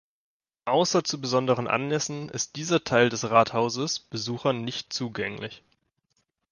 Außer zu besonderen Anlässen ist dieser Teil des Rathauses Besuchern nicht zugänglich.